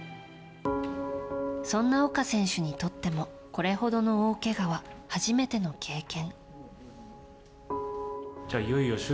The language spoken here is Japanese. そんな岡選手にとってもこれほどの大けがは初めての経験。